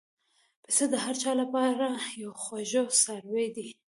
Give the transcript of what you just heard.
پسه د هر چا له پاره یو خوږ څاروی دی.